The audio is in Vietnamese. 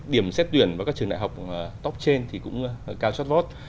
điểm xếp tuyển và các trường đại học top trên thì cũng cao chót vót